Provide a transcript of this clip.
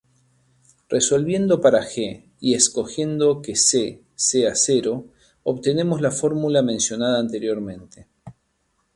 Resolviendo para "g" y escogiendo que "C" sea cero obtenemos la fórmula mencionada anteriormente.